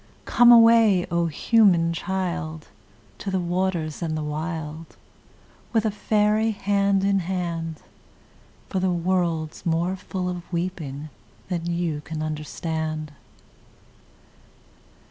Come away, O human child! To the waters and the wild With a faery, hand in hand, For the world's more full of weeping than you can understand.